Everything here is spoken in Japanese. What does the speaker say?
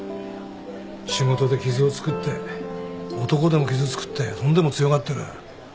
仕事で傷をつくって男でも傷つくってそんでも強がってる